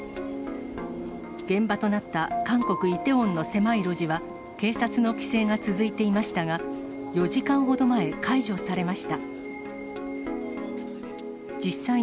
現場となった韓国・イテウォンの狭い路地は、警察の規制が続いていましたが、４時間ほど前、解除されました。